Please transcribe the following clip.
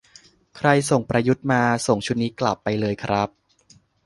"ใครส่งประยุทธ์มา ส่งชุดนี้กลับไปเลยครับ"